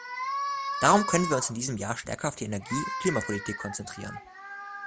Darum können wir uns in diesem Jahr stärker auf die Energie- und Klimapolitik konzentrieren.